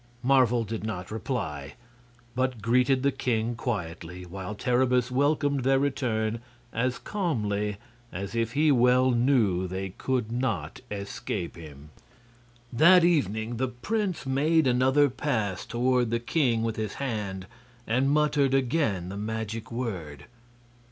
Marvel did not reply, but greeted the king quietly, while Terribus welcomed their return as calmly as if he well knew they could not escape him. That evening the prince made another pass toward the king with his hand and muttered again the magic word.